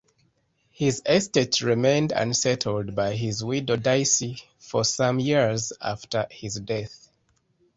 His estate remained unsettled by his widow Dicey for some years after his death.